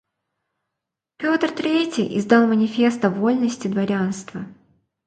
Пётр Третий издал Манифест о вольности дворянства.